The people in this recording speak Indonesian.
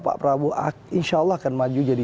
pak prabowo insya allah akan maju jadi